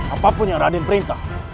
apapun yang raden perintah